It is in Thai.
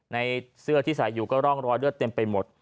ในเสื้อที่ใส่อยู่ก็ร่องรอยเลือดเต็มไปหมด